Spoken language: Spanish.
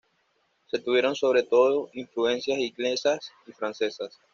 Se tuvieron sobre todo influencias inglesas y francesas.